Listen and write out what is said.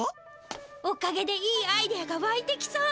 おかげでいいアイデアがわいてきそう！